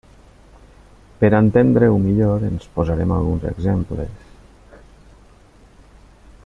Per entendre-ho millor en posarem alguns exemples.